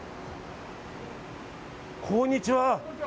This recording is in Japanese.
こんにちは。